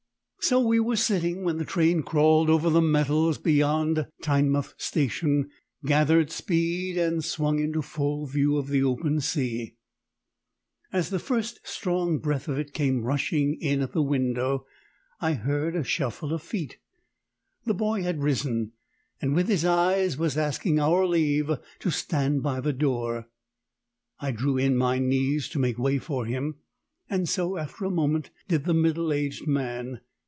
So we were sitting when the train crawled over the metals beyond Teignmouth Station, gathered speed, and swung into full view of the open sea. As the first strong breath of it came rushing in at the window I heard a shuffle of feet. The boy had risen, and with his eyes was asking our leave to stand by the door. I drew in my knees to make way for him, and so, after a moment, did the middle aged man.